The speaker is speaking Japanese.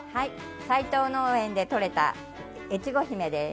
斉藤農園でとれた越後姫です。